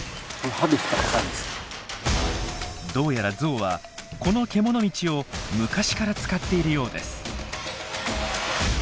どうやらゾウはこのけもの道を昔から使っているようです。